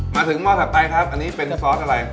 หม้อถัดไปครับอันนี้เป็นซอสอะไร